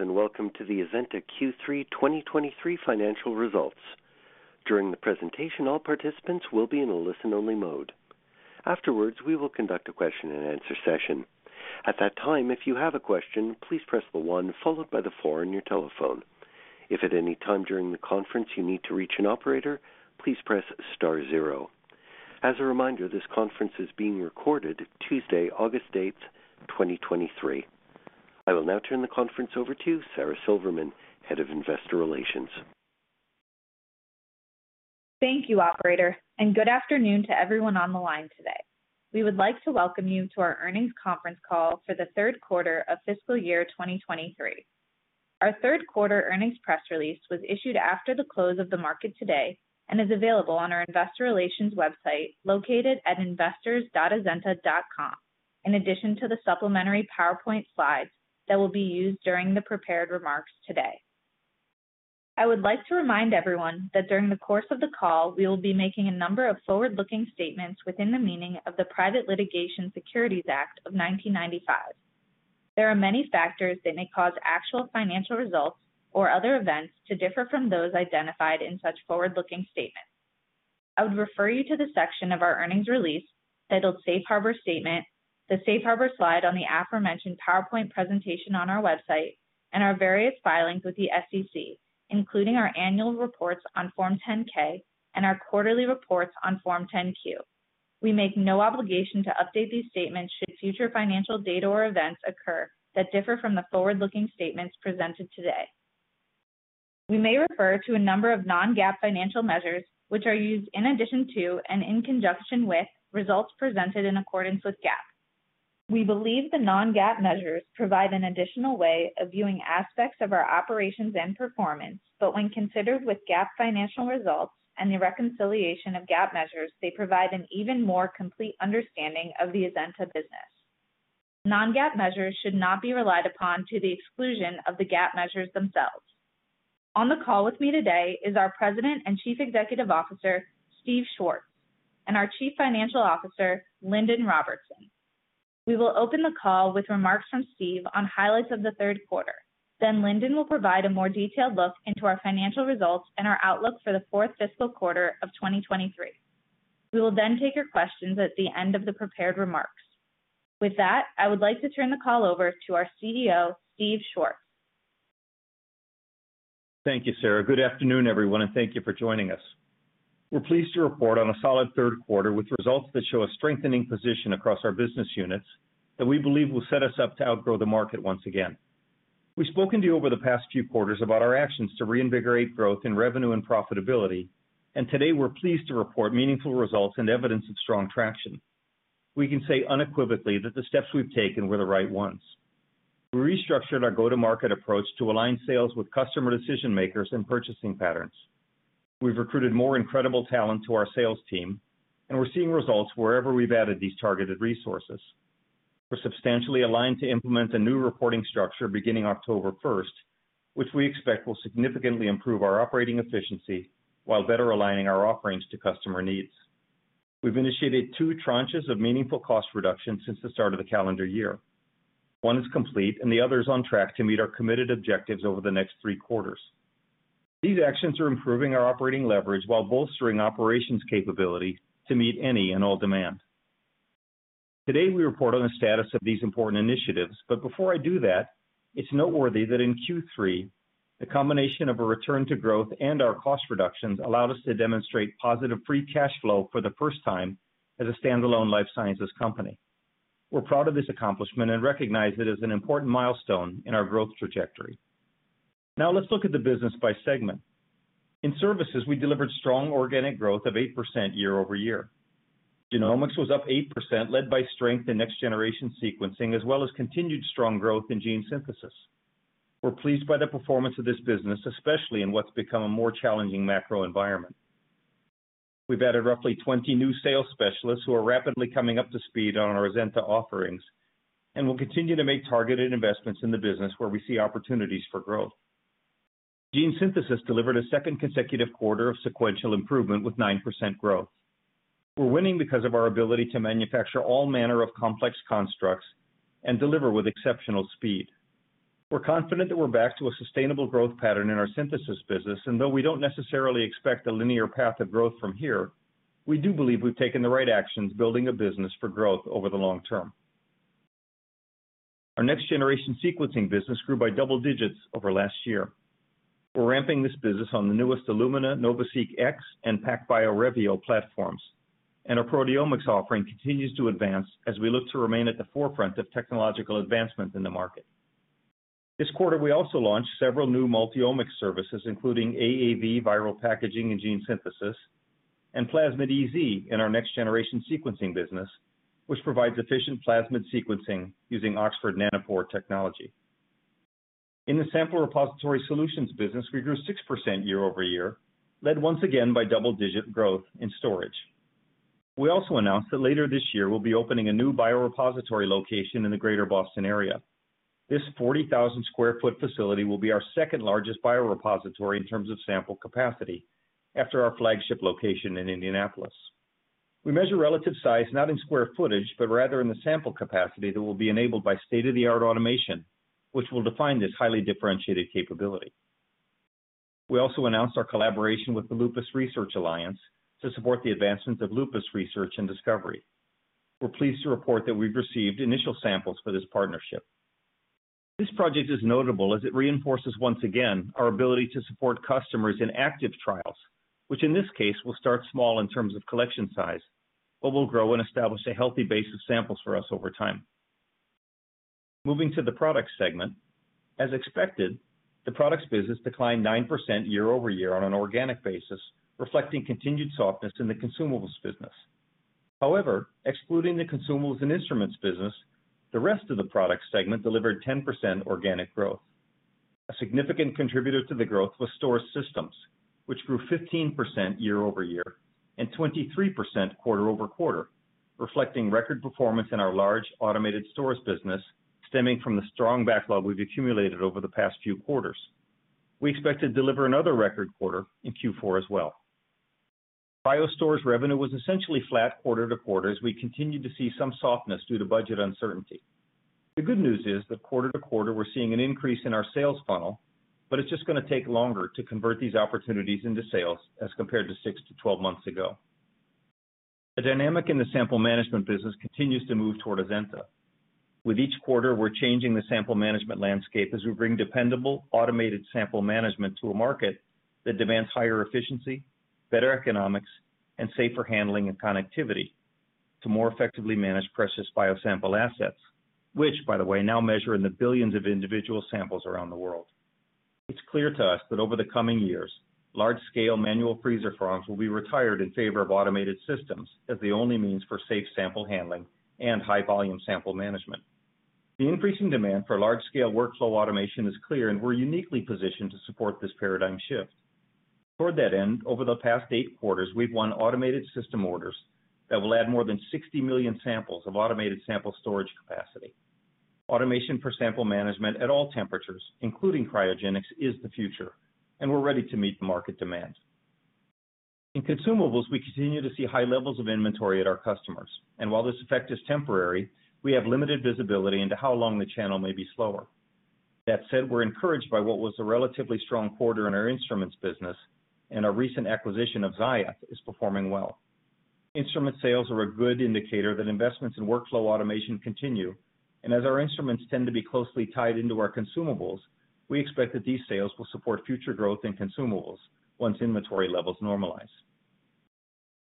Greetings, welcome to the Azenta Q3 2023 financial results. During the presentation, all participants will be in a listen only mode. Afterwards, we will conduct a question and answer session. At that time, if you have a question, please press the one followed by the four on your telephone. If at any time during the conference you need to reach an operator, please press star zero. As a reminder, this conference is being recorded Tuesday, August 8th, 2023. I will now turn the conference over to Sara Silverman, Head of Investor Relations. Thank you, operator, and good afternoon to everyone on the line today. We would like to welcome you to our earnings conference call for the third quarter of fiscal year 2023. Our third quarter earnings press release was issued after the close of the market today and is available on our investor relations website, located at investors.azenta.com, in addition to the supplementary PowerPoint slides that will be used during the prepared remarks today. I would like to remind everyone that during the course of the call, we will be making a number of forward-looking statements within the meaning of the Private Securities Litigation Reform Act of 1995. There are many factors that may cause actual financial results or other events to differ from those identified in such forward-looking statements. I would refer you to the section of our earnings release titled "Safe Harbor Statement," the Safe Harbor slide on the aforementioned PowerPoint presentation on our website, and our various filings with the SEC, including our annual reports on Form 10-K and our quarterly reports on Form 10-Q. We make no obligation to update these statements should future financial data or events occur that differ from the forward-looking statements presented today. We may refer to a number of non-GAAP financial measures, which are used in addition to and in conjunction with results presented in accordance with GAAP. We believe the non-GAAP measures provide an additional way of viewing aspects of our operations and performance, but when considered with GAAP financial results and the reconciliation of GAAP measures, they provide an even more complete understanding of the Azenta business. Non-GAAP measures should not be relied upon to the exclusion of the GAAP measures themselves. On the call with me today is our President and Chief Executive Officer, Steve Schwartz, and our Chief Financial Officer, Lindon Robertson. We will open the call with remarks from Steve on highlights of the third quarter. Lindon will provide a more detailed look into our financial results and our outlook for the fourth fiscal quarter of 2023. We will then take your questions at the end of the prepared remarks. With that, I would like to turn the call over to our CEO, Steve Schwartz. Thank you, Sara. Good afternoon, everyone, and thank you for joining us. We're pleased to report on a solid third quarter with results that show a strengthening position across our business units that we believe will set us up to outgrow the market once again. We've spoken to you over the past few quarters about our actions to reinvigorate growth in revenue and profitability, and today we're pleased to report meaningful results and evidence of strong traction. We can say unequivocally that the steps we've taken were the right ones. We restructured our go-to-market approach to align sales with customer decision-makers and purchasing patterns. We've recruited more incredible talent to our sales team, and we're seeing results wherever we've added these targeted resources. We're substantially aligned to implement a new reporting structure beginning October first, which we expect will significantly improve our operating efficiency while better aligning our offerings to customer needs. We've initiated two tranches of meaningful cost reductions since the start of the calendar year. One is complete, and the other is on track to meet our committed objectives over the next three quarters. These actions are improving our operating leverage while bolstering operations capability to meet any and all demand. Today, we report on the status of these important initiatives, but before I do that, it's noteworthy that in Q3, the combination of a return to growth and our cost reductions allowed us to demonstrate positive free cash flow for the first time as a standalone life sciences company. We're proud of this accomplishment and recognize it as an important milestone in our growth trajectory. Let's look at the business by segment. In services, we delivered strong organic growth of 8% year-over-year. Genomics was up 8%, led by strength in next-generation sequencing, as well as continued strong growth in gene synthesis. We're pleased by the performance of this business, especially in what's become a more challenging macro environment. We've added roughly 20 new sales specialists who are rapidly coming up to speed on our Azenta offerings and will continue to make targeted investments in the business where we see opportunities for growth. Gene synthesis delivered a second consecutive quarter of sequential improvement with 9% growth. We're winning because of our ability to manufacture all manner of complex constructs and deliver with exceptional speed. We're confident that we're back to a sustainable growth pattern in our synthesis business, though we don't necessarily expect a linear path of growth from here, we do believe we've taken the right actions, building a business for growth over the long term. Our next-generation sequencing business grew by double digits over last year. We're ramping this business on the newest Illumina NovaSeq X and PacBio Revio platforms, our proteomics offering continues to advance as we look to remain at the forefront of technological advancement in the market. This quarter, we also launched several new multiomics services, including AAV viral packaging and gene synthesis, and Plasmid-EZ in our next-generation sequencing business, which provides efficient plasmid sequencing using Oxford Nanopore technology. In the sample repository solutions business, we grew 6% year-over-year, led once again by double-digit growth in storage. We also announced that later this year, we'll be opening a new biorepository location in the greater Boston area. This 40,000 sq ft facility will be our second-largest biorepository in terms of sample capacity after our flagship location in Indianapolis. We measure relative size not in square footage, but rather in the sample capacity that will be enabled by state-of-the-art automation, which will define this highly differentiated capability. We also announced our collaboration with the Lupus Research Alliance to support the advancement of lupus research and discovery. We're pleased to report that we've received initial samples for this partnership. This project is notable as it reinforces, once again, our ability to support customers in active trials, which in this case, will start small in terms of collection size, but will grow and establish a healthy base of samples for us over time. Moving to the product segment. As expected, the products business declined 9% year-over-year on an organic basis, reflecting continued softness in the consumables business. Excluding the consumables and instruments business, the rest of the product segment delivered 10% organic growth. A significant contributor to the growth was storage systems, which grew 15% year-over-year and 23% quarter-over-quarter, reflecting record performance in our large automated storage business, stemming from the strong backlog we've accumulated over the past few quarters. We expect to deliver another record quarter in Q4 as well. Biostorage revenue was essentially flat quarter-to-quarter, as we continued to see some softness due to budget uncertainty. The good news is that quarter-to-quarter, we're seeing an increase in our sales funnel, but it's just gonna take longer to convert these opportunities into sales as compared to six to 12 months ago. The dynamic in the sample management business continues to move toward Azenta. With each quarter, we're changing the sample management landscape as we bring dependable, automated sample management to a market that demands higher efficiency, better economics, and safer handling and connectivity to more effectively manage precious biosample assets, which, by the way, now measure in the billions of individual samples around the world. It's clear to us that over the coming years, large-scale manual freezer farms will be retired in favor of automated systems as the only means for safe sample handling and high-volume sample management. The increasing demand for large-scale workflow automation is clear, and we're uniquely positioned to support this paradigm shift. Toward that end, over the past 8 quarters, we've won automated system orders that will add more than 60 million samples of automated sample storage capacity. Automation for sample management at all temperatures, including cryogenics, is the future, and we're ready to meet the market demand. In consumables, we continue to see high levels of inventory at our customers, and while this effect is temporary, we have limited visibility into how long the channel may be slower. That said, we're encouraged by what was a relatively strong quarter in our instruments business, and our recent acquisition of Ziath is performing well. Instrument sales are a good indicator that investments in workflow automation continue, and as our instruments tend to be closely tied into our consumables, we expect that these sales will support future growth in consumables once inventory levels normalize.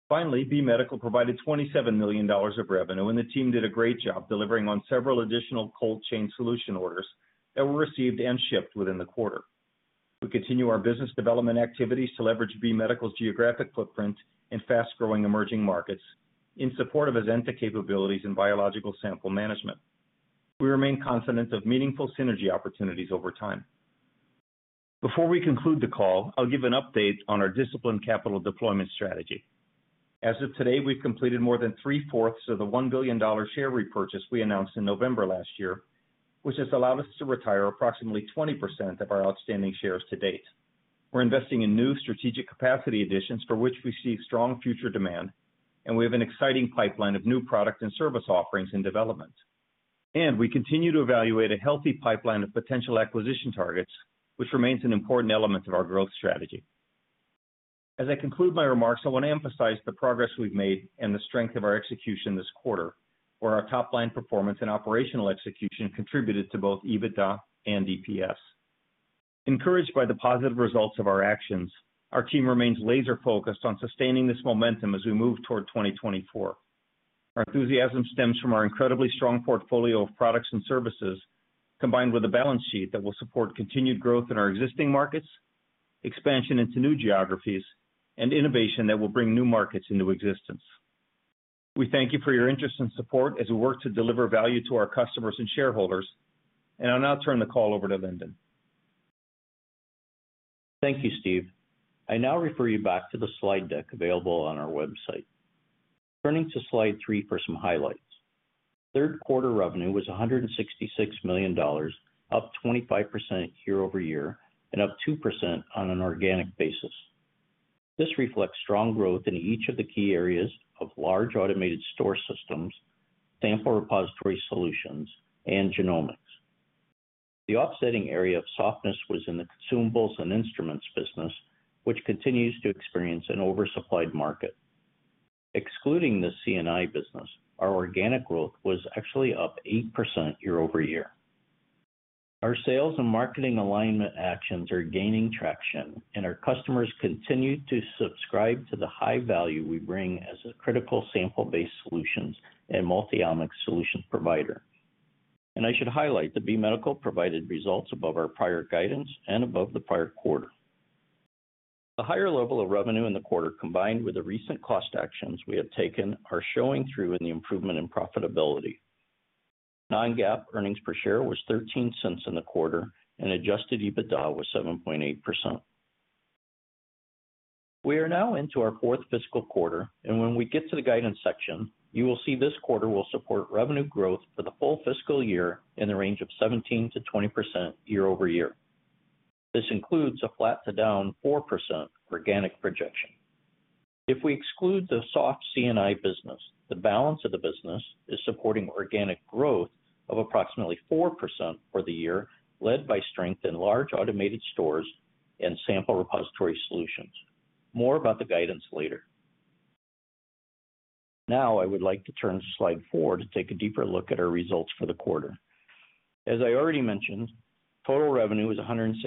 Finally, B Medical provided $27 million of revenue, and the team did a great job delivering on several additional cold chain solution orders that were received and shipped within the quarter. We continue our business development activities to leverage B Medical's geographic footprint in fast-growing emerging markets in support of Azenta capabilities in biological sample management. We remain confident of meaningful synergy opportunities over time. Before we conclude the call, I'll give an update on our disciplined capital deployment strategy. As of today, we've completed more than three-fourths of the $1 billion share repurchase we announced in November last year, which has allowed us to retire approximately 20% of our outstanding shares to date. We're investing in new strategic capacity additions for which we see strong future demand, and we have an exciting pipeline of new products and service offerings in development. We continue to evaluate a healthy pipeline of potential acquisition targets, which remains an important element of our growth strategy. As I conclude my remarks, I want to emphasize the progress we've made and the strength of our execution this quarter, where our top-line performance and operational execution contributed to both EBITDA and EPS. Encouraged by the positive results of our actions, our team remains laser-focused on sustaining this momentum as we move toward 2024. Our enthusiasm stems from our incredibly strong portfolio of products and services, combined with a balance sheet that will support continued growth in our existing markets, expansion into new geographies, and innovation that will bring new markets into existence. We thank you for your interest and support as we work to deliver value to our customers and shareholders, and I'll now turn the call over to Lindon. Thank you, Steve. I now refer you back to the slide deck available on our website. Turning to slide three for some highlights. Third quarter revenue was $166 million, up 25% year-over-year and up 2% on an organic basis. This reflects strong growth in each of the key areas of large automated store systems, sample repository solutions, and genomics. The offsetting area of softness was in the consumables and instruments business, which continues to experience an oversupplied market. Excluding the C&I business, our organic growth was actually up 8% year-over-year. Our sales and marketing alignment actions are gaining traction, and our customers continue to subscribe to the high value we bring as a critical sample-based solutions and multi-omics solutions provider. I should highlight that B Medical provided results above our prior guidance and above the prior quarter. The higher level of revenue in the quarter, combined with the recent cost actions we have taken, are showing through in the improvement in profitability. Non-GAAP earnings per share was $0.13 in the quarter, and adjusted EBITDA was 7.8%. We are now into our fourth fiscal quarter, and when we get to the guidance section, you will see this quarter will support revenue growth for the full fiscal year in the range of 17% to 20% year-over-year. This includes a flat to down 4% organic projection. If we exclude the soft C&I business, the balance of the business is supporting organic growth of approximately 4% for the year, led by strength in large automated stores and sample repository solutions. More about the guidance later. I would like to turn to slide 4 to take a deeper look at our results for the quarter. As I already mentioned, total revenue was $166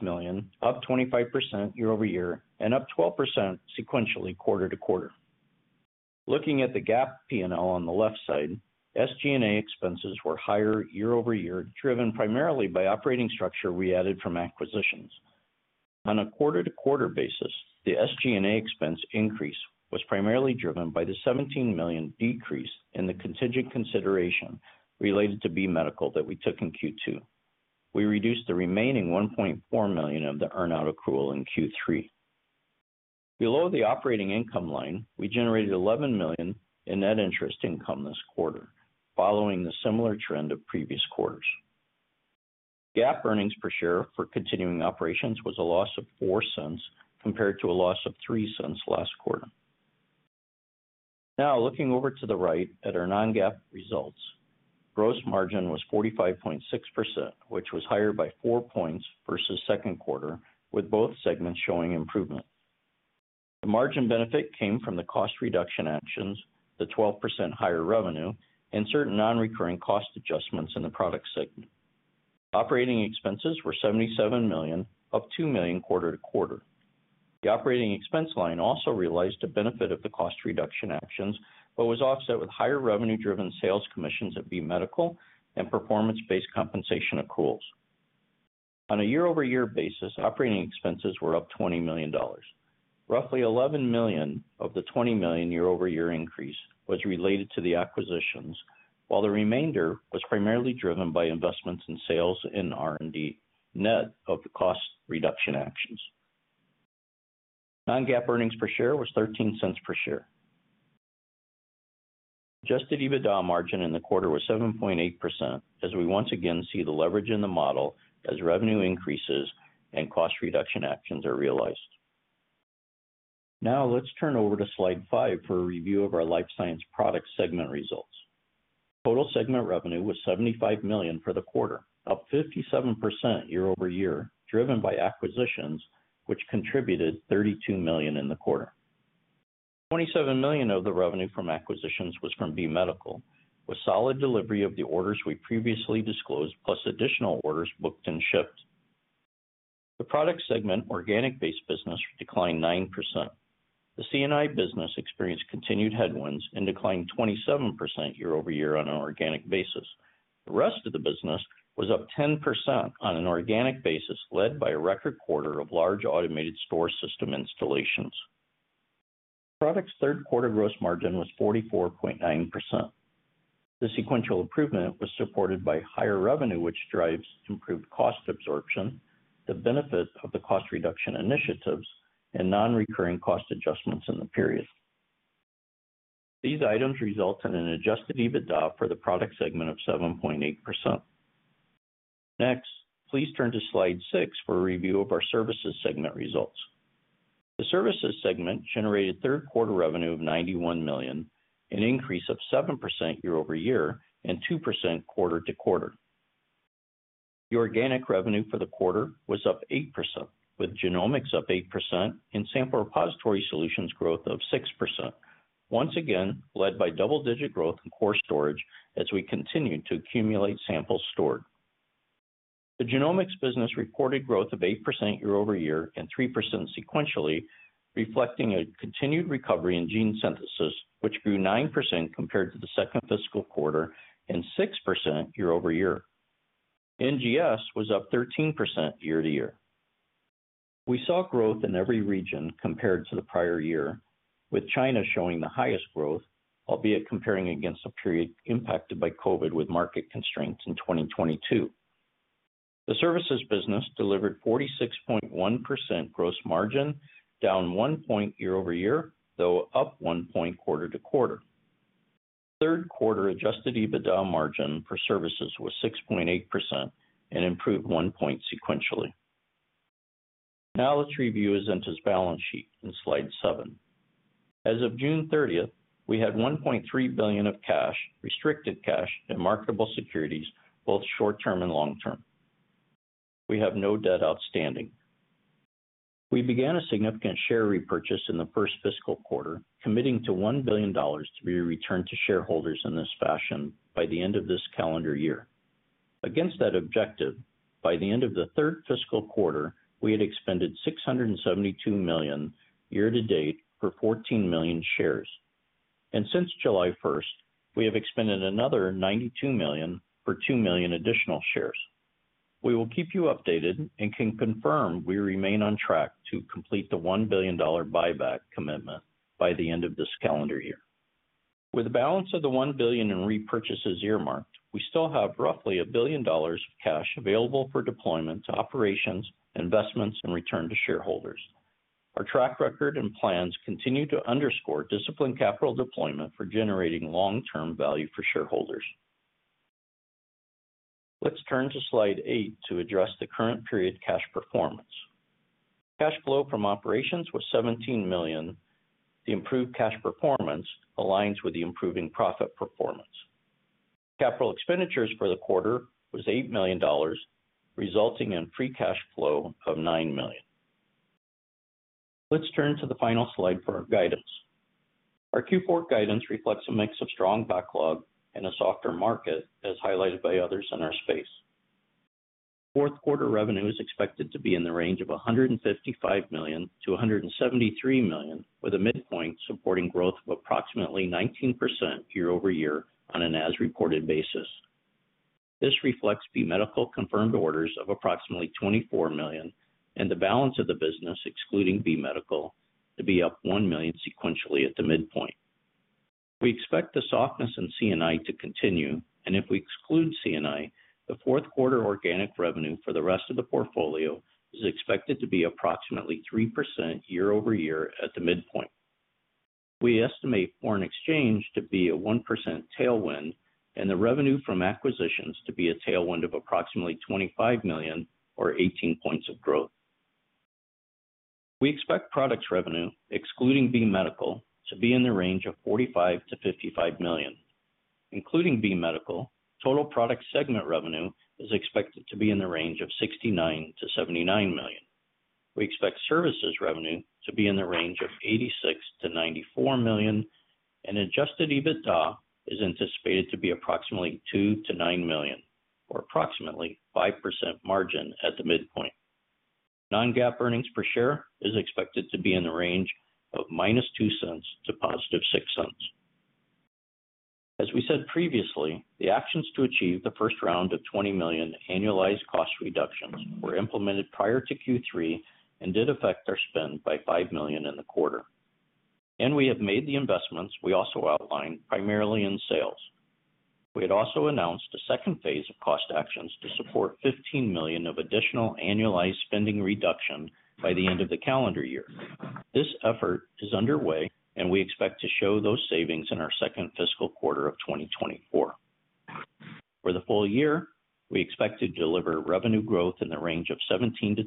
million, up 25% year-over-year, up 12% sequentially quarter-to-quarter. Looking at the GAAP P&L on the left side, SG&A expenses were higher year-over-year, driven primarily by operating structure we added from acquisitions. On a quarter-to-quarter basis, the SG&A expense increase was primarily driven by the $17 million decrease in the contingent consideration related to B Medical that we took in Q2. We reduced the remaining $1.4 million of the earn-out accrual in Q3. Below the operating income line, we generated $11 million in net interest income this quarter, following the similar trend of previous quarters. GAAP earnings per share for continuing operations was a loss of $0.04, compared to a loss of $0.03 last quarter. Looking over to the right at our non-GAAP results, gross margin was 45.6%, which was higher by four points versus second quarter, with both segments showing improvement. The margin benefit came from the cost reduction actions, the 12% higher revenue, and certain non-recurring cost adjustments in the product segment. Operating expenses were $77 million, up $2 million quarter-to-quarter. The operating expense line also realized the benefit of the cost reduction actions, but was offset with higher revenue-driven sales commissions at B Medical, and performance-based compensation accruals. On a year-over-year basis, operating expenses were up $20 million. Roughly $11 million of the $20 million year-over-year increase was related to the acquisitions, while the remainder was primarily driven by investments in sales and R&D, net of the cost reduction actions. Non-GAAP earnings per share was $0.13 per share. Adjusted EBITDA margin in the quarter was 7.8%, as we once again see the leverage in the model as revenue increases and cost reduction actions are realized. Now, let's turn over to slide 5 for a review of our life science product segment results. Total segment revenue was $75 million for the quarter, up 57% year-over-year, driven by acquisitions, which contributed $32 million in the quarter. $27 million of the revenue from acquisitions was from B Medical, with solid delivery of the orders we previously disclosed, plus additional orders booked and shipped. The product segment organic-based business declined 9%. The C&I business experienced continued headwinds and declined 27% year-over-year on an organic basis. The rest of the business was up 10% on an organic basis, led by a record quarter of large automated store system installations. Products third quarter gross margin was 44.9%. The sequential improvement was supported by higher revenue, which drives improved cost absorption, the benefit of the cost reduction initiatives, and non-recurring cost adjustments in the period. These items result in an adjusted EBITDA for the product segment of 7.8%. Please turn to slide 6 for a review of our services segment results. The services segment generated third quarter revenue of $91 million, an increase of 7% year-over-year, and 2% quarter-to-quarter. The organic revenue for the quarter was up 8%, with genomics up 8% and sample repository solutions growth of 6%, once again, led by double-digit growth in core storage as we continued to accumulate samples stored. The genomics business reported growth of 8% year-over-year and 3% sequentially, reflecting a continued recovery in gene synthesis, which grew 9% compared to the second fiscal quarter and 6% year-over-year. NGS was up 13% year to year. We saw growth in every region compared to the prior year, with China showing the highest growth, albeit comparing against a period impacted by COVID with market constraints in 2022. The services business delivered 46.1% gross margin, down 1 point year-over-year, though up 1 point quarter to quarter. Third quarter adjusted EBITDA margin for services was 6.8% and improved 1 point sequentially. Now, let's review Azenta's balance sheet in slide 7. As of June 30th, we had $1.3 billion of cash, restricted cash, and marketable securities, both short-term and long-term. We have no debt outstanding. We began a significant share repurchase in the 1st fiscal quarter, committing to $1 billion to be returned to shareholders in this fashion by the end of this calendar year. Against that objective, by the end of the 3rd fiscal quarter, we had expended $672 million year-to-date for 14 million shares. Since July 1st, we have expended another $92 million for 2 million additional shares. We will keep you updated and can confirm we remain on track to complete the $1 billion buyback commitment by the end of this calendar year. With the balance of the $1 billion in repurchases earmarked, we still have roughly $1 billion of cash available for deployment to operations, investments, and return to shareholders. Our track record and plans continue to underscore disciplined capital deployment for generating long-term value for shareholders. Let's turn to Slide 8 to address the current period cash performance. Cash flow from operations was $17 million. The improved cash performance aligns with the improving profit performance. Capital expenditures for the quarter was $8 million, resulting in free cash flow of $9 million. Let's turn to the final slide for our guidance. Our Q4 guidance reflects a mix of strong backlog and a softer market, as highlighted by others in our space. fourth quarter revenue is expected to be in the range of $155 million-$173 million, with a midpoint supporting growth of approximately 19% year-over-year on an as-reported basis. This reflects B Medical confirmed orders of approximately $24 million, and the balance of the business, excluding B Medical, to be up $1 million sequentially at the midpoint. We expect the softness in C&I to continue, and if we exclude C&I, the fourth quarter organic revenue for the rest of the portfolio is expected to be approximately 3% year-over-year at the midpoint. We estimate foreign exchange to be a 1% tailwind and the revenue from acquisitions to be a tailwind of approximately $25 million or 18 points of growth. We expect products revenue, excluding B Medical, to be in the range of $45 million-$55 million. Including B Medical, total product segment revenue is expected to be in the range of $69 million-$79 million. We expect services revenue to be in the range of $86 million-$94 million. Adjusted EBITDA is anticipated to be approximately $2 million-$9 million, or approximately 5% margin at the midpoint. Non-GAAP earnings per share is expected to be in the range of -$0.02 to +$0.06. As we said previously, the actions to achieve the first round of $20 million annualized cost reductions were implemented prior to Q3 and did affect our spend by $5 million in the quarter. We have made the investments we also outlined, primarily in sales. We had also announced a second phase of cost actions to support $15 million of additional annualized spending reduction by the end of the calendar year. This effort is underway, we expect to show those savings in our second fiscal quarter of 2024. For the full year, we expect to deliver revenue growth in the range of 17%-20%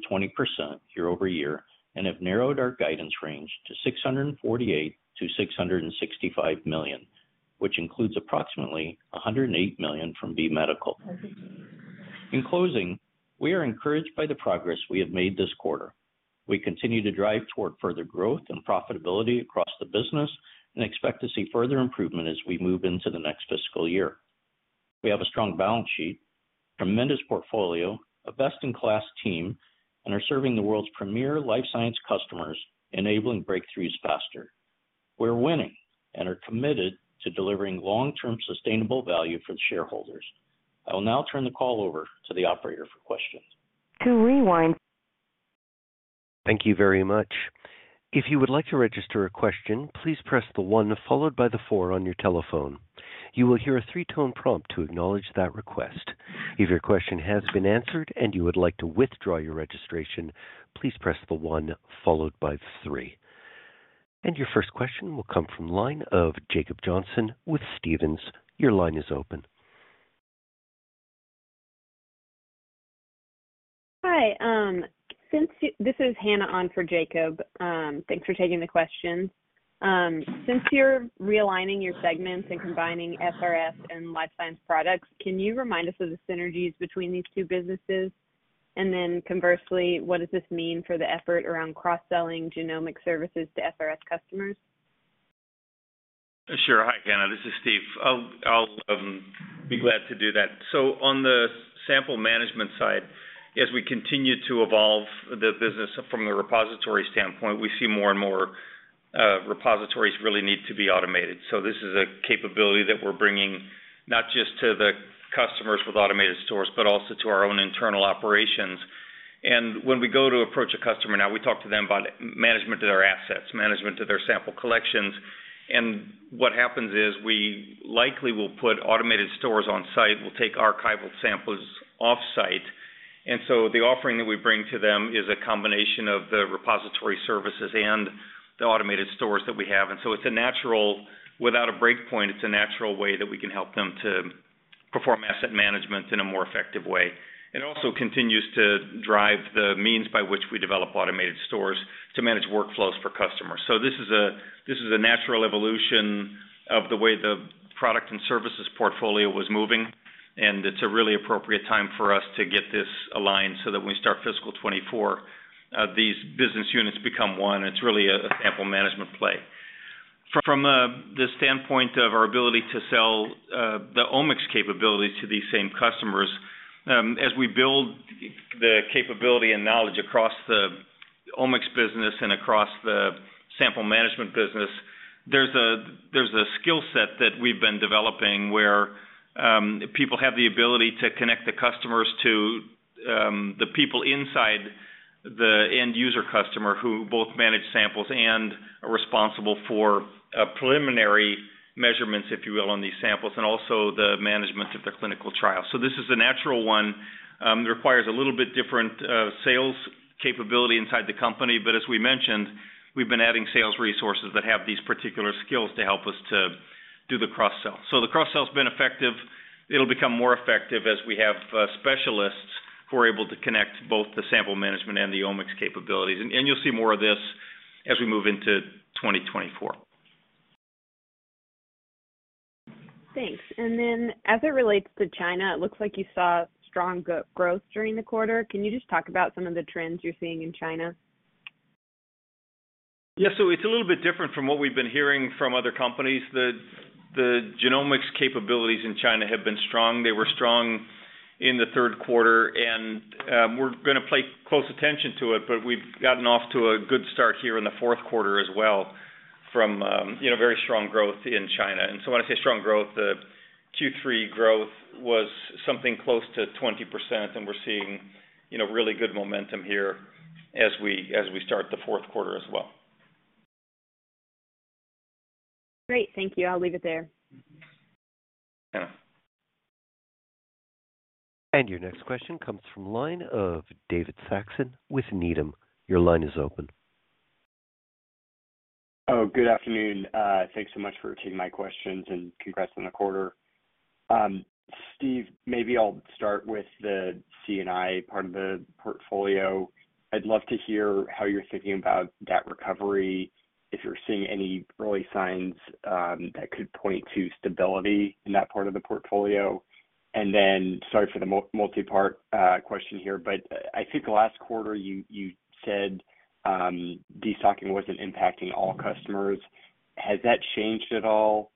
year-over-year, and have narrowed our guidance range to $648 million-$665 million, which includes approximately $108 million from B Medical. In closing, we are encouraged by the progress we have made this quarter. We continue to drive toward further growth and profitability across the business and expect to see further improvement as we move into the next fiscal year. We have a strong balance sheet, tremendous portfolio, a best-in-class team, and are serving the world's premier life science customers, enabling breakthroughs faster. We're winning and are committed to delivering long-term, sustainable value for the shareholders. I will now turn the call over to the operator for questions. To rewind... Thank you very much. If you would like to register a question, please press the one followed by the four on your telephone. You will hear a 3-tone prompt to acknowledge that request. If your question has been answered and you would like to withdraw your registration, please press the one followed by three. Your first question will come from line of Jacob Johnson with Stephens. Your line is open. Hi. This is Hannah on for Jacob. Thanks for taking the question. Since you're realigning your segments and combining FRS and Life Science products, can you remind us of the synergies between these two businesses? Conversely, what does this mean for the effort around cross-selling genomic services to FRS customers? Sure. Hi, Hannah, this is Steve. I'll, I'll be glad to do that. On the sample management side, as we continue to evolve the business from the repository standpoint, we see more and more repositories really need to be automated. This is a capability that we're bringing not just to the customers with automated stores, but also to our own internal operations. When we go to approach a customer now, we talk to them about management of their assets, management of their sample collections, and what happens is we likely will put automated stores on site. We'll take archival samples offsite. The offering that we bring to them is a combination of the repository services and the automated stores that we have. It's a natural, without a breakpoint, it's a natural way that we can help them to perform asset management in a more effective way. It also continues to drive the means by which we develop automated stores to manage workflows for customers. This is a natural evolution of the way the product and services portfolio was moving, and it's a really appropriate time for us to get this aligned so that when we start fiscal 2024, these business units become one. It's really a sample management play. From the standpoint of our ability to sell the Omics capabilities to these same customers, as we build the capability and knowledge across the Omics business and across the sample management business, there's a, there's a skill set that we've been developing where people have the ability to connect the customers to the people inside the end user customer who both manage samples and are responsible for preliminary measurements, if you will, on these samples, and also the management of the clinical trial. This is a natural one. It requires a little bit different sales capability inside the company. As we mentioned, we've been adding sales resources that have these particular skills to help us to do the cross-sell. The cross-sell has been effective. It'll become more effective as we have specialists who are able to connect both the sample management and the Omics capabilities. And you'll see more of this as we move into 2024. Thanks. Then as it relates to China, it looks like you saw strong growth during the quarter. Can you just talk about some of the trends you're seeing in China? Yes, so it's a little bit different from what we've been hearing from other companies. The, the genomics capabilities in China have been strong. They were strong in the third quarter, and we're gonna pay close attention to it, but we've gotten off to a good start here in the fourth quarter as well, from, you know, very strong growth in China. So when I say strong growth, the Q3 growth was something close to 20%, and we're seeing, you know, really good momentum here as we, as we start the fourth quarter as well. Great. Thank you. I'll leave it there. Yeah. Your next question comes from line of David Saxon with Needham. Your line is open. Good afternoon. Thanks so much for taking my questions, and congrats on the quarter. Steve, maybe I'll start with the C&I part of the portfolio. I'd love to hear how you're thinking about that recovery, if you're seeing any early signs, that could point to stability in that part of the portfolio. Then, sorry for the multipart question here, but I think last quarter you, you said, destocking wasn't impacting all customers. Has that changed at all?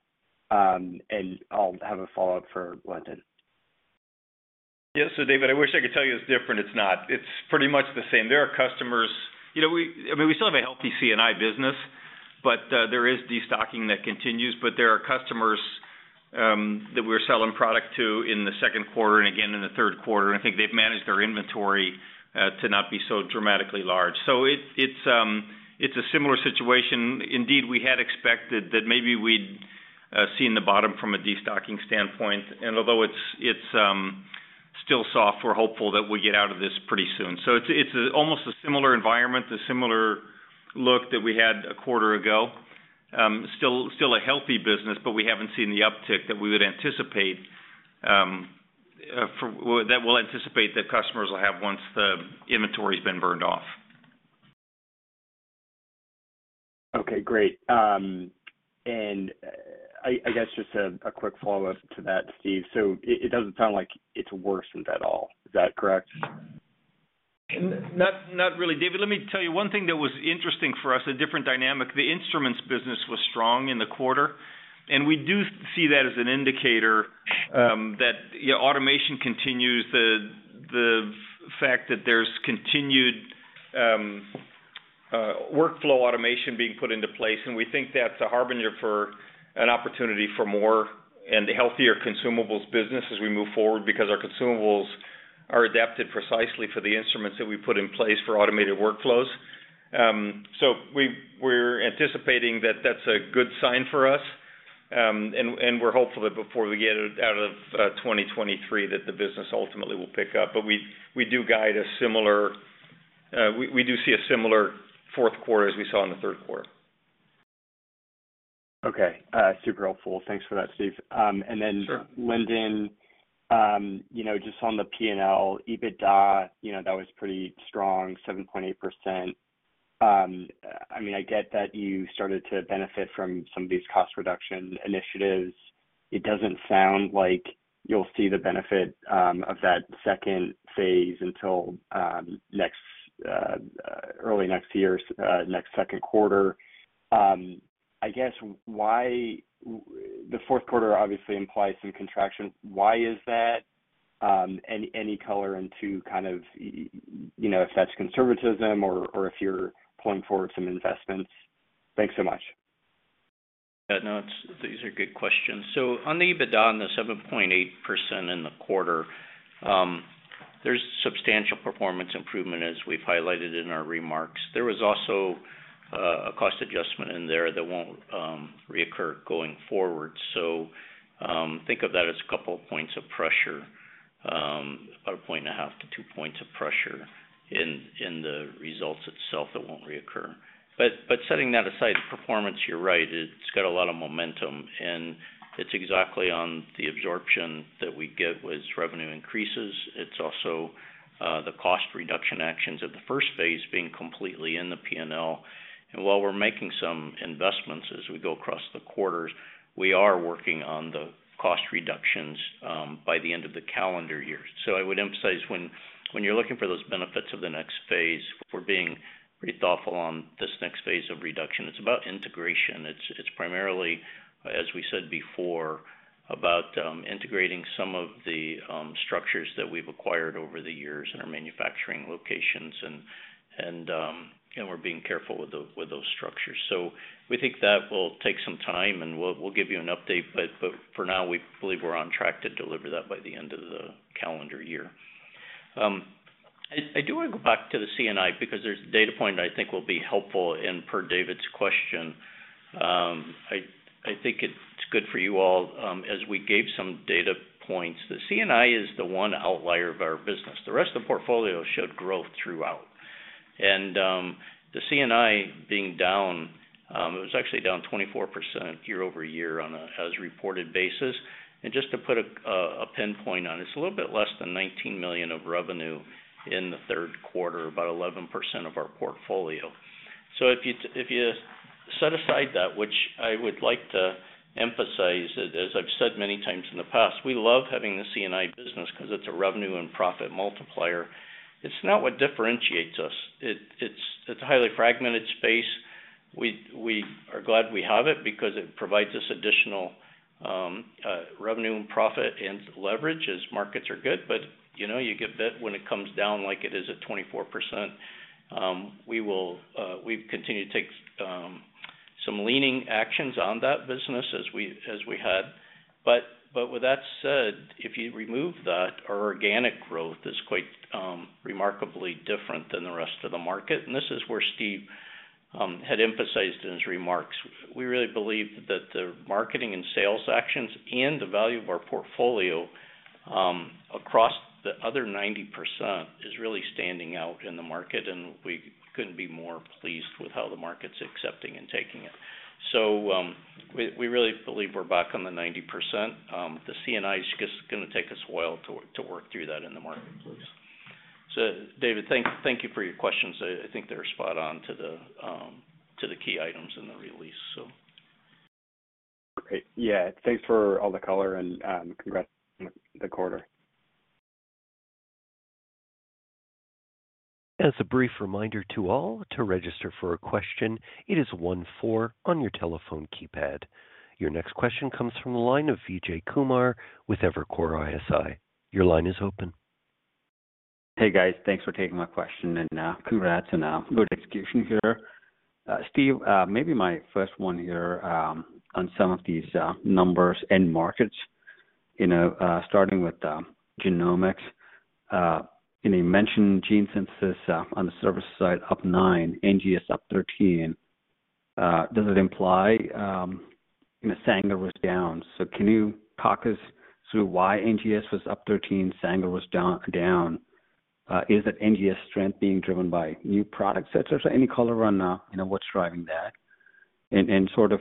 I'll have a follow-up for Lyndon. Yes. David, I wish I could tell you it's different. It's not. It's pretty much the same. There are customers... You know, I mean, we still have a healthy C&I business, but there is destocking that continues. There are customers that we're selling product to in the second quarter and again in the third quarter, and I think they've managed their inventory to not be so dramatically large. It, it's a similar situation. Indeed, we had expected that maybe we'd seen the bottom from a destocking standpoint, and although it's, it's still soft, we're hopeful that we'll get out of this pretty soon. It's, it's a almost a similar environment, a similar look that we had a quarter ago. Still, still a healthy business, but we haven't seen the uptick that we would anticipate, well, that we'll anticipate that customers will have once the inventory's been burned off. Okay, great. I, I guess just a, a quick follow-up to that, Steve. It, it doesn't sound like it's worsened at all. Is that correct? Not, not really, David. Let me tell you one thing that was interesting for us, a different dynamic. The instruments business was strong in the quarter, and we do see that as an indicator, automation continues, the fact that there's continued workflow automation being put into place, and we think that's a harbinger for an opportunity for more and healthier consumables business as we move forward, because our consumables are adapted precisely for the instruments that we put in place for automated workflows. We're anticipating that that's a good sign for us. We're hopeful that before we get it out of 2023, that the business ultimately will pick up. We, we do guide a similar, we, we do see a similar fourth quarter as we saw in the third quarter. Okay, super helpful. Thanks for that, Steve. Sure. Lindon, you know, just on the P&L, EBITDA, you know, that was pretty strong, 7.8%. I mean, I get that you started to benefit from some of these cost reduction initiatives. It doesn't sound like you'll see the benefit of that second phase until next early next year, next second quarter. I guess why the fourth quarter obviously implies some contraction. Why is that? Any, any color into kind of, you know, if that's conservatism or, or if you're pulling forward some investments? Thanks so much. These are good questions. On the EBITDA, on the 7.8% in the quarter, there's substantial performance improvement, as we've highlighted in our remarks. There was also a cost adjustment in there that won't reoccur going forward. Think of that as 2 points of pressure, about 1.5-2 points of pressure in the results itself. It won't reoccur. Setting that aside, performance, you're right, it's got a lot of momentum, and it's exactly on the absorption that we get as revenue increases. It's also the cost reduction actions of the first phase being completely in the P&L. While we're making some investments as we go across the quarters, we are working on the cost reductions by the end of the calendar year. I would emphasize when, when you're looking for those benefits of the next phase, we're being pretty thoughtful on this next phase of reduction. It's about integration. It's, it's primarily, as we said before, about, integrating some of the, structures that we've acquired over the years in our manufacturing locations, and, and, and we're being careful with those, with those structures. We think that will take some time, and we'll, we'll give you an update, but, but for now, we believe we're on track to deliver that by the end of the calendar year. I, I do want to go back to the C&I because there's a data point I think will be helpful, and per David's question, I, I think it's good for you all, as we gave some data points. The C&I is the one outlier of our business. The rest of the portfolio showed growth throughout. The C&I being down, it was actually down 24% year-over-year on an as-reported basis. Just to put a pinpoint on it, it's a little bit less than $19 million of revenue in the third quarter, about 11% of our portfolio. If you, if you set aside that, which I would like to emphasize, as, as I've said many times in the past, we love having the C&I business because it's a revenue and profit multiplier. It's not what differentiates us. It's a highly fragmented space. We are glad we have it because it provides us additional revenue and profit and leverage as markets are good. You know, you get bit when it comes down like it is at 24%. We will, we've continued to take some leaning actions on that business as we, as we had. With that said, if you remove that, our organic growth is quite remarkably different than the rest of the market, and this is where Steve had emphasized in his remarks. We really believe that the marketing and sales actions and the value of our portfolio across the other 90% is really standing out in the market, and we couldn't be more pleased with how the market's accepting and taking it. We really believe we're back on the 90%. The C&I is just gonna take us a while to work through that in the marketplace. David, thank you for your questions. I think they're spot on to the key items in the release. Great. Yeah, thanks for all the color and, congrats on the quarter. As a brief reminder to all, to register for a question, it is one-four on your telephone keypad. Your next question comes from the line of Vijay Kumar with Evercore ISI. Your line is open. Hey, guys. Thanks for taking my question, and congrats on good execution here. Steve, maybe my first one here, on some of these numbers and markets, you know, starting with genomics. You mentioned gene synthesis on the service side, up 9, NGS up 13. Does it imply, you know, Sanger was down. Can you talk us through why NGS was up 13, Sanger was down, down? Is that NGS strength being driven by new product sets, or any color on, you know, what's driving that? And sort of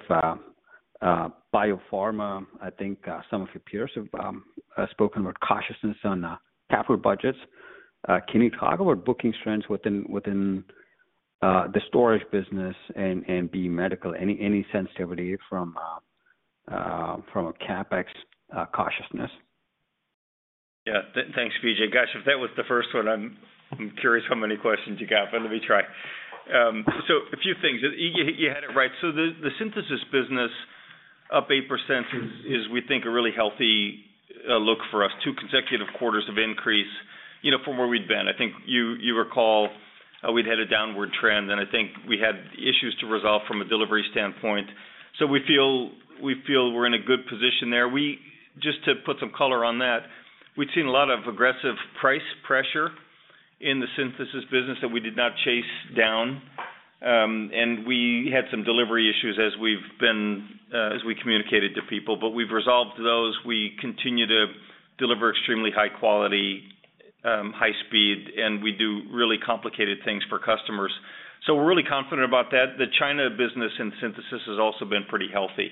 biopharma, I think, some of your peers have spoken about cautiousness on capital budgets. Can you talk about booking strengths within, within, the storage business and, and B Medical, any, any sensitivity from, from a CapEx, cautiousness? Yeah. Thanks, Vijay. Gosh, if that was the first one, I'm, I'm curious how many questions you got, but let me try. A few things. You, you had it right. The, the synthesis business, up 8%, is we think a really healthy look for us. Two consecutive quarters of increase, you know, from where we'd been. I think you, you recall, we'd had a downward trend, and I think we had issues to resolve from a delivery standpoint. We feel, we feel we're in a good position there. Just to put some color on that, we'd seen a lot of aggressive price pressure in the synthesis business that we did not chase down, and we had some delivery issues as we've been, as we communicated to people, but we've resolved those. We continue to deliver extremely high quality, high speed, and we do really complicated things for customers. We're really confident about that. The China business and synthesis has also been pretty healthy.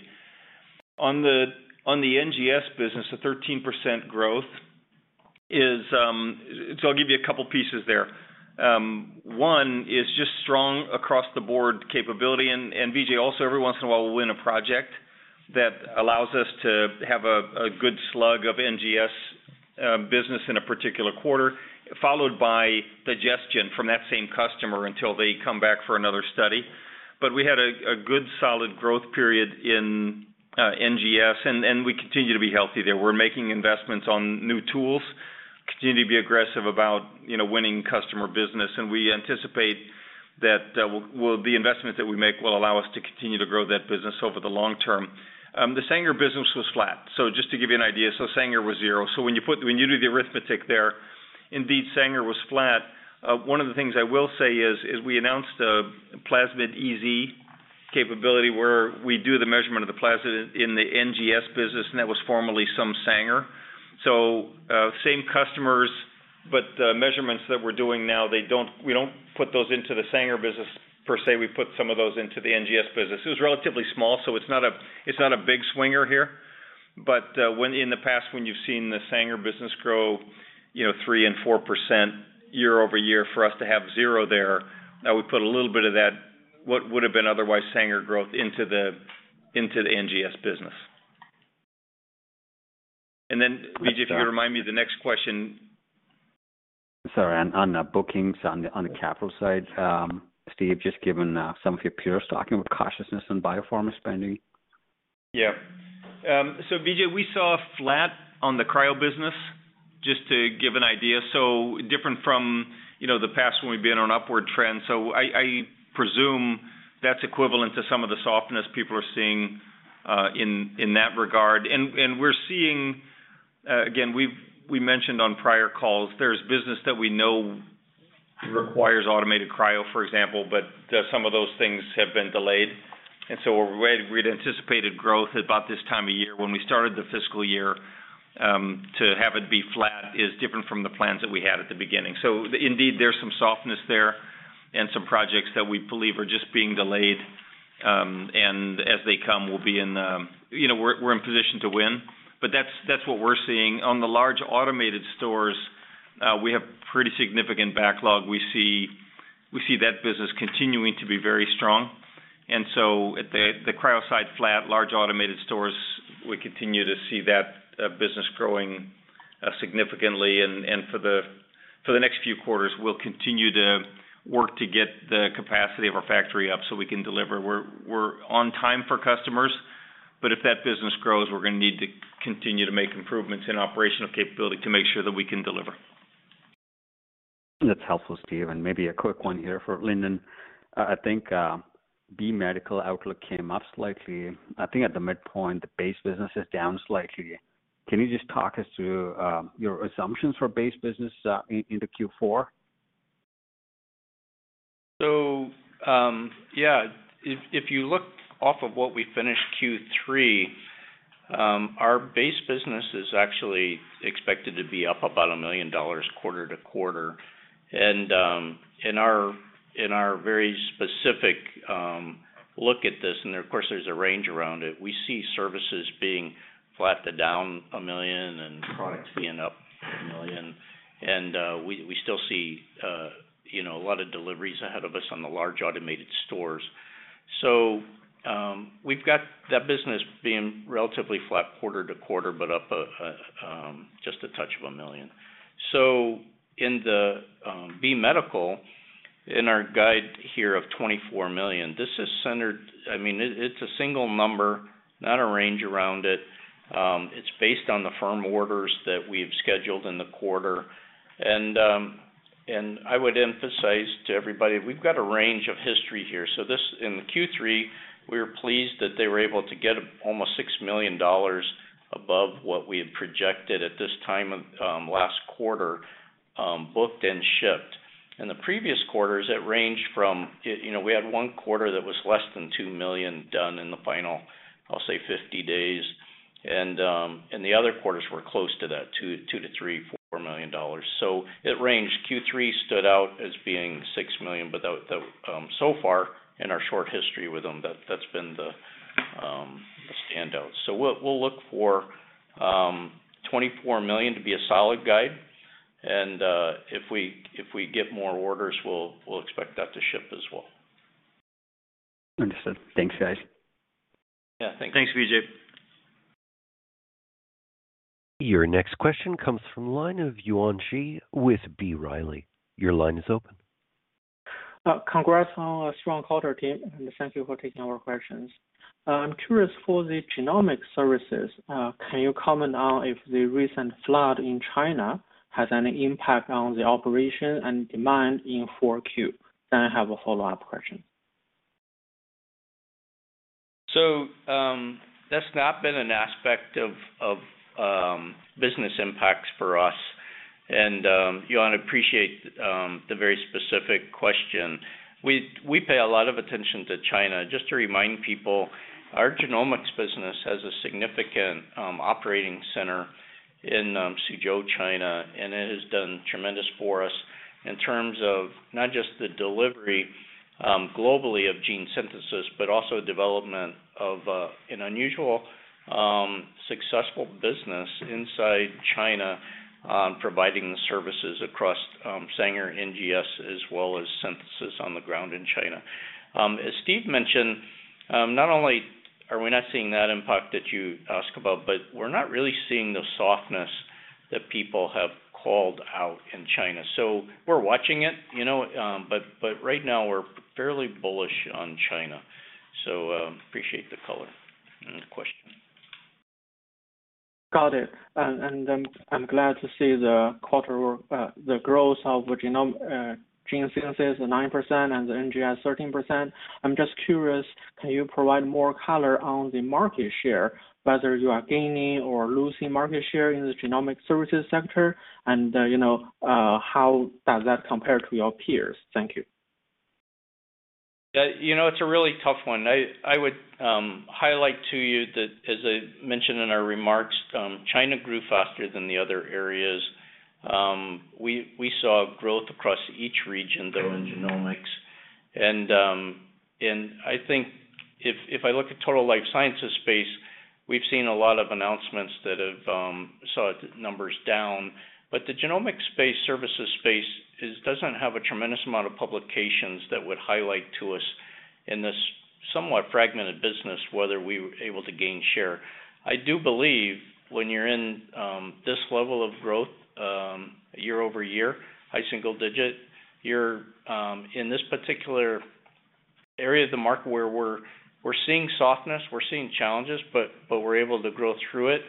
On the, on the NGS business, the 13% growth is, I'll give you a couple pieces there. One, is just strong across the board capability, and, Vijay, also, every once in a while, we'll win a project that allows us to have a, a good slug of NGS business in a particular quarter, followed by digestion from that same customer until they come back for another study. We had a, a good solid growth period in NGS, and, we continue to be healthy there. We're making investments on new tools, continue to be aggressive about, you know, winning customer business, and we anticipate that, well, the investments that we make will allow us to continue to grow that business over the long term. The Sanger business was flat. Just to give you an idea, Sanger was zero. When you put, when you do the arithmetic there, indeed, Sanger was flat. One of the things I will say is, is we announced a Plasmid-EZ capability, where we do the measurement of the plasmid in the NGS business, and that was formerly some Sanger. Same customers, but the measurements that we're doing now, they don't, we don't put those into the Sanger business per se. We put some of those into the NGS business. It was relatively small, so it's not a, it's not a big swinger here. When in the past, when you've seen the Sanger business grow, you know, 3% and 4% year-over-year, for us to have zero there, we put a little bit of that, what would have been otherwise Sanger growth into the, into the NGS business. Vijay, if you remind me the next question. Sorry, on, on the bookings, on the, on the capital side, Steve, just given, some of your peers talking about cautiousness on biopharma spending. Yeah. Vijay, we saw flat on the cryo business, just to give an idea. Different from, you know, the past when we've been on an upward trend. That's equivalent to some of the softness people are seeing in that regard. We're seeing, again, we mentioned on prior calls, there's business that we know requires automated cryo, for example, but some of those things have been delayed. Where we'd anticipated growth at about this time of year when we started the fiscal year, to have it be flat is different from the plans that we had at the beginning. Indeed, there's some softness there and some projects that we believe are just being delayed. As they come, we'll be in, you know, we're, we're in position to win. That's, that's what we're seeing. On the large automated stores, we have pretty significant backlog. We see, we see that business continuing to be very strong. The, the cryo side flat, large automated stores, we continue to see that business growing significantly. For the, for the next few quarters, we'll continue to work to get the capacity of our factory up so we can deliver. We're, we're on time for customers, but if that business grows, we're gonna need to continue to make improvements in operational capability to make sure that we can deliver. That's helpful, Steve. Maybe a quick one here for Lindon. I think B Medical outlook came up slightly. I think at the midpoint, the base business is down slightly. Can you just talk us through your assumptions for base business in, into Q4? Yeah, if, if you look off of what we finished Q3, our base business is actually expected to be up about $1 million quarter-to-quarter. In our, in our very specific look at this, and of course, there's a range around it, we see services being flat to down $1 million and products being up $1 million. We, we still see, you know, a lot of deliveries ahead of us on the large automated stores. We've got that business being relatively flat quarter-to-quarter, but up just a touch of $1 million. In the B Medical, in our guide here of $24 million, this is centered... I mean, it, it's a single number, not a range around it. It's based on the firm orders that we've scheduled in the quarter. I would emphasize to everybody, we've got a range of history here. This, in the Q3, we were pleased that they were able to get almost $6 million above what we had projected at this time of last quarter, booked and shipped. In the previous quarters, it ranged from, you know, we had one quarter that was less than $2 million done in the final, I'll say, 50 days, and the other quarters were close to that, $2 million-$4 million. It ranged. Q3 stood out as being $6 million, but that, so far in our short history with them, that's been the standout. We'll look for $24 million to be a solid guide, and if we get more orders, we'll expect that to ship as well. Understood. Thanks, guys. Yeah, thank you. Thanks, Vijay. Your next question comes from the line of Yuan Zhi with B. Riley. Your line is open. Congrats on a strong quarter, team, and thank you for taking our questions. I'm curious, for the genomics services, can you comment on if the recent flood in China has any impact on the operation and demand in 4Q? I have a follow-up question. That's not been an aspect of, of, business impacts for us. Yuan, appreciate, the very specific question. We, we pay a lot of attention to China. Just to remind people, our genomics business has a significant, operating center in Suzhou, China, and it has done tremendous for us in terms of not just the delivery, globally of gene synthesis, but also development of an unusual, successful business inside China, providing the services across Sanger and NGS, as well as synthesis on the ground in China. As Steve mentioned, not only are we not seeing that impact that you ask about, but we're not really seeing the softness that people have called out in China. We're watching it, you know, but, but right now, we're fairly bullish on China. Appreciate the color on the question. Got it. I'm glad to see the quarter, the growth of genome, gene synthesis, the 9%, and the NGS, 13%. I'm just curious, can you provide more color on the market share, whether you are gaining or losing market share in the genomics services sector? You know, how does that compare to your peers? Thank you. Yeah, you know, it's a really tough one. I, I would highlight to you that, as I mentioned in our remarks, China grew faster than the other areas. We, we saw growth across each region, though, in genomics. I think if I look at total life sciences space, we've seen a lot of announcements that have saw numbers down. The genomics space, services space doesn't have a tremendous amount of publications that would highlight to us, in this somewhat fragmented business, whether we were able to gain share. I do believe when you're in this level of growth, year-over-year, high single digit, you're in this particular area of the market where we're seeing softness, we're seeing challenges, but we're able to grow through it.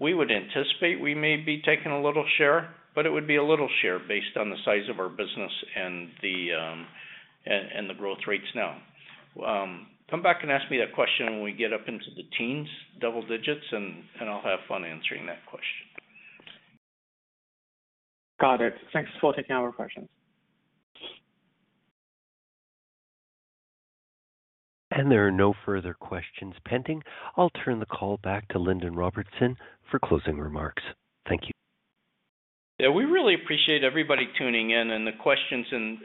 We would anticipate we may be taking a little share, but it would be a little share based on the size of our business and the, and, and the growth rates now. Come back and ask me that question when we get up into the teens, double digits, and, and I'll have fun answering that question. Got it. Thanks for taking our questions. There are no further questions pending. I'll turn the call back to Lyndon Robertson for closing remarks. Thank you. Yeah, we really appreciate everybody tuning in, and the questions and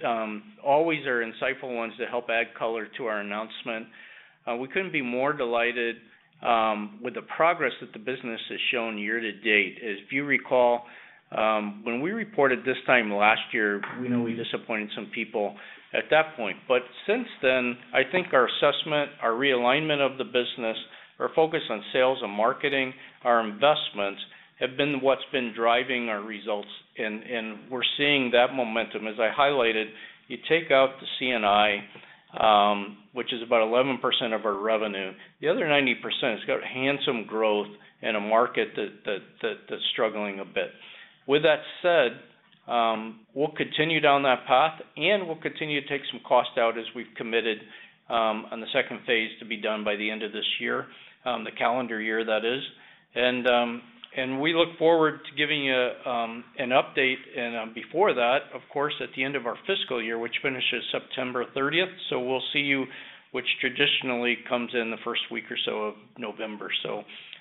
always are insightful ones that help add color to our announcement. We couldn't be more delighted with the progress that the business has shown year-to-date. Since then, I think our assessment, our realignment of the business, our focus on sales and marketing, our investments, have been what's been driving our results, and we're seeing that momentum. As I highlighted, you take out the C&I, which is about 11% of our revenue, the other 90% has got handsome growth in a market that, that, that, that's struggling a bit. With that said, we'll continue down that path, and we'll continue to take some cost out as we've committed, on the second phase to be done by the end of this year, the calendar year, that is. We look forward to giving you an update and, before that, of course, at the end of our fiscal year, which finishes September thirtieth. We'll see you, which traditionally comes in the first week or so of November.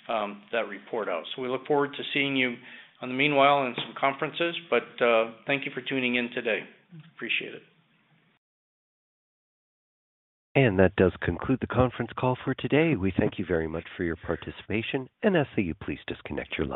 That report out. We look forward to seeing you on the meanwhile, in some conferences, thank you for tuning in today. Appreciate it. That does conclude the conference call for today. We thank you very much for your participation, and I ask that you please disconnect your line.